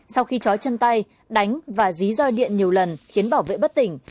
sau khi chói chân tay đánh và dí roi điện nhiều lần khiến bảo vệ bất tỉnh